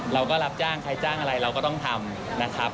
เราก็รับจ้างใครจ้างอะไรเราก็ต้องทำนะครับ